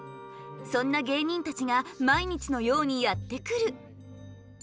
そんな芸人たちが毎日のようにやって来る。